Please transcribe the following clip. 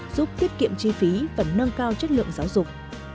giúp tiết kiệm chi phí và nâng cao chất lượng giáo dục